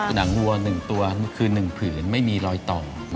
หนังหัวหนึ่งตัวคือหนึ่งผืนไม่มีรอยต่อ